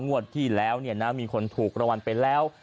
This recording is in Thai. งวดที่แล้วเนี่ยนะมีคนถูกระวันไปแล้ว